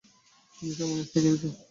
তুমি সময় নষ্ট করছো।